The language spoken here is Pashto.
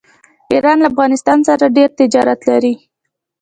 ایران له افغانستان سره ډیر تجارت لري.